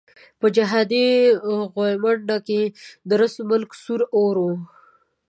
په جهادي غويمنډه کې درست ملک سور اور وو.